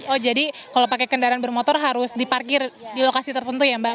oh jadi kalau pakai kendaraan bermotor harus diparkir di lokasi tertentu ya mbak